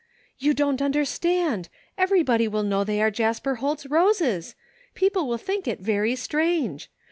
You don't under stand ! Everybody will know those are Jasper Holt's roses. People will think it very strange.